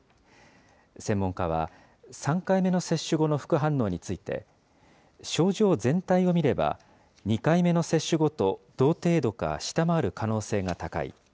専門家は、３回目の接種後の副反応について、症状全体を見れば、２回目の接種後と同程度か下回る可能性が高い。